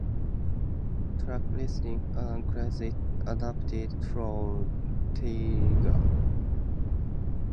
Track listing and credits adapted from Tidal.